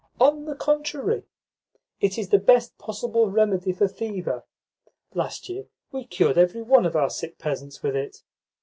"On the contrary, it is the best possible remedy for fever. Last year we cured every one of our sick peasants with it.